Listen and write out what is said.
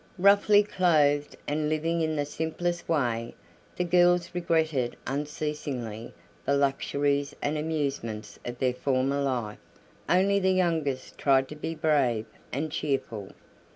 Roughly clothed, and living in the simplest way, the girls regretted unceasingly the luxuries and amusements of their former life; only the youngest tried to be brave and cheerful.